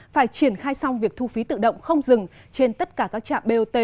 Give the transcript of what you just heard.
phải triển khai xong việc thu phí tự động không dừng trên tất cả các trạm bot